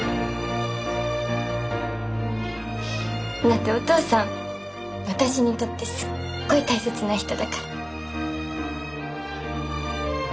だってお父さん私にとってすっごい大切な人だから。